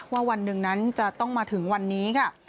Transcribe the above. วันหนึ่งนั้นจะต้องมาถึงวันนี้ค่ะ